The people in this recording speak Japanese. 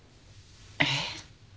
えっ？